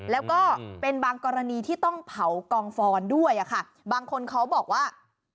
แล้วก็เป็นบางกรณีที่ต้องเผากองฟอนด้วยอะค่ะบางคนเขาบอกว่า